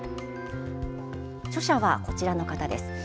著者はこちらの方です。